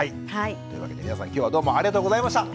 というわけで皆さん今日はどうもありがとうございました。